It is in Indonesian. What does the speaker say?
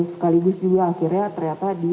sekaligus juga akhirnya ternyata di